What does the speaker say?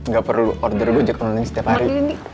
gak perlu order gue jokolin setiap hari